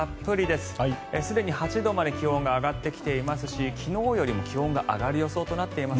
すでに８度まで気温が上がってきていますし昨日よりも気温が上がる予想となっています。